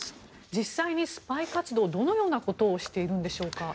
実際にスパイ活動どのようなことをしているんでしょうか。